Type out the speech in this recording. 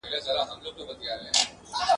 فکر وکړي چي ناروغ !.